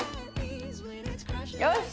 よし！